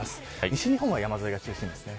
西日本は、山沿いが中心です。